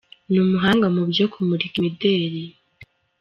Ni umuhanga mu byo kumurika imideli